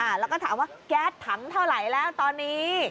แล้วก็ถามว่าแก๊สถังเท่าไหร่แล้วตอนนี้